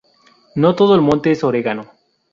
No todo el monte es orégano